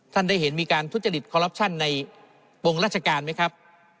ท่านได้เห็นมีการทุจริตคอลลับชั่นในวงราชการไหมครับ